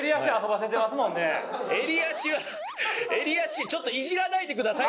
えり足はえり足ちょっといじらないでください！